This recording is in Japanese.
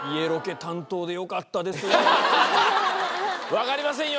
分かりませんよ